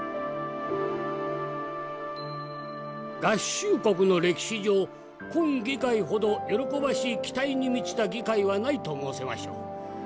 「合衆国の歴史上今議会ほど喜ばしい期待に満ちた議会はないと申せましょう。